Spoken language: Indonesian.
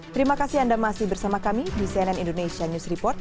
terima kasih anda masih bersama kami di cnn indonesia news report